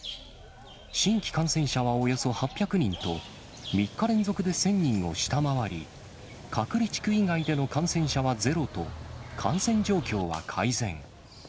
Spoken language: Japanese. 新規感染者はおよそ８００人と、３日連続で１０００人を下回り、隔離地区以外での感染者はゼロと、感染状況は改善。